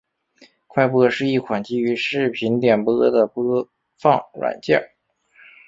快播是一款基于视频点播的播放软件。